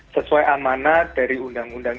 sesuai amanat dari undang undang